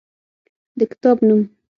د کتاب نوم: